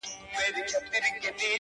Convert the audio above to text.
زه بې اسرې بې وسيلې او بې اشنا پاتې شوم